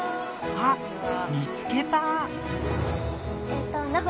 あっ見つけた！